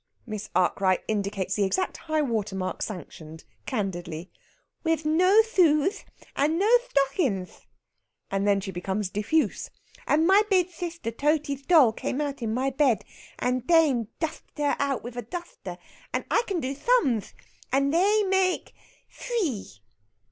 Miss Arkwright indicates the exact high water mark sanctioned, candidly. "Wiv no sooze, and no stottins!" She then becomes diffuse. "And my bid sister Totey's doll came out in my bed, and Dane dusted her out wiv a duster. And I can do thums. And they make free...."